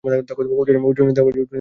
অর্জুনের দেওয়া এই চকলেট।